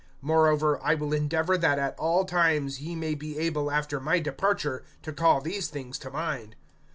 (15)Moreover I will endeavor that at all times ye may be able after my departure to call these things to mind.